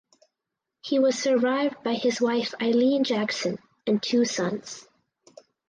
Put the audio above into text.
He was survived by his wife Eileen Jackson and two sons.